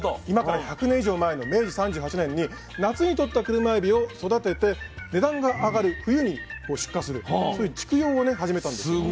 今から１００年以上前の明治３８年に夏にとったクルマエビを育てて値段が上がる冬に出荷するそういう畜養をね始めたんです。